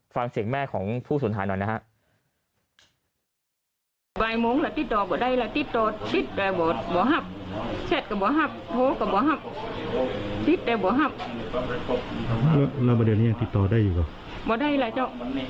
ฟังเสียงแม่ของผู้สูญหายหน่อยนะฮะ